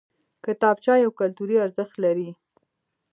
کتابچه یو کلتوري ارزښت لري